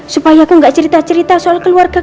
supaya aku gak cerita cerita sama dia ya